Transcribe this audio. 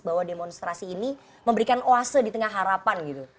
bahwa demonstrasi ini memberikan oase di tengah harapan gitu